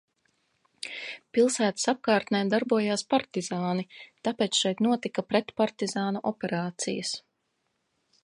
Pilsētas apkārtnē darbojās partizāni, tāpēc šeit notika pretpartizānu operācijas.